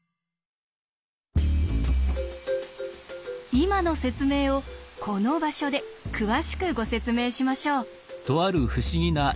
今の説明をこの場所で詳しくご説明しましょう。